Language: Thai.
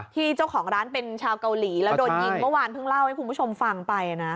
ที่เจ้าของร้านเป็นชาวเกาหลีแล้วโดนยิงเมื่อวานเพิ่งเล่าให้คุณผู้ชมฟังไปนะ